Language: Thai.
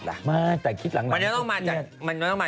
เอาวันหลังหมดเวลา